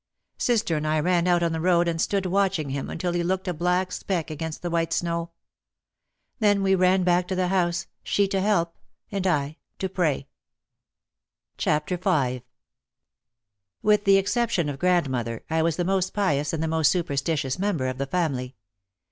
Sister and I ran out on the road and stood watching him until he looked a black speck against the white snow. Then we ran back to the house, she to help and I to pray. OUT OF THE SHADOW 19 With the exception of grandmother, I was the most pious and the most superstitious member of the family.